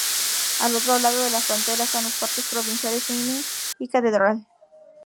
Al otro lado de la frontera están los parques provinciales Manning y Cathedral.